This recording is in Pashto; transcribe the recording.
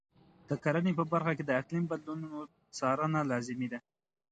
د کرنې په برخه کې د اقلیم بدلونونو څارنه لازمي ده.